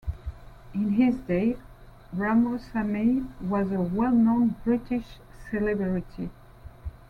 In his day Ramo Samee was a well-known British celebrity.